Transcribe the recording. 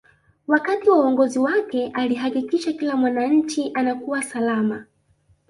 wakati wa uongozi wake alihakikisha kila mwananchi anakuwa salama